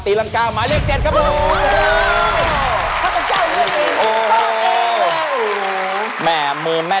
ถ้าข้างใจเนื่องมี่